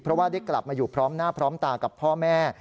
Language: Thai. เพราะว่าได้กลับมาอยู่พร้อมหน้าพร้อมตากับพ่อแม่